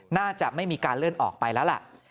น่าจะไม่มีการเลื่อนออกไปแล้วล่ะ